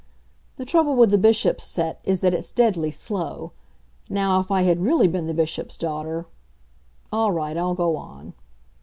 The trouble with the Bishop's set is that it's deadly slow. Now, if I had really been the Bishop's daughter all right, I'll go on.